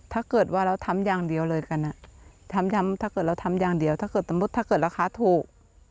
ถ้าเกิดว่าเราทำอย่างเดียวเลยกันถ้าเกิดเราทำอย่างเดียวถ้าเกิดสมมุติถ้าเกิดราคาถูก